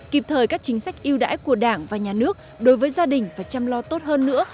kịp thời các chính sách yêu đãi của đảng và nhà nước đối với gia đình và chăm lo tốt hơn nữa